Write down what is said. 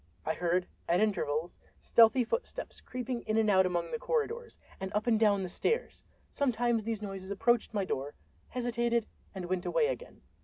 I heard, at intervals, stealthy footsteps creeping in and out among the corridors, and up and down the stairs. Sometimes these noises approached my door, hesitated, and went away again.